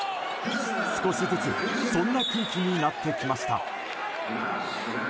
少しずつそんな空気になってきました。